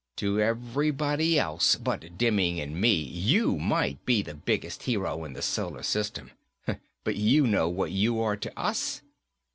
To everybody else, but Demming and me, you might be the biggest hero in the Solar System. But you know what you are to us?"